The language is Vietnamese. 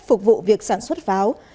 phục vụ việc sản xuất pháo